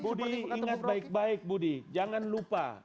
budi ingat baik baik budi jangan lupa